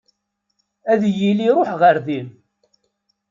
Ad yili iruḥ ɣer din.